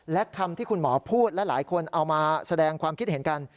และคำที่คุณหมอพูดและหลายคนเอามาแสดงความคิดเห็นกัน